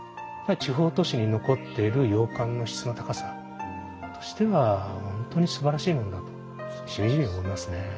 地方都市に残っている洋館の質の高さとしては本当にすばらしいものだとしみじみ思いますね。